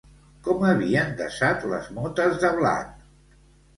Com havien desat les motes de blat?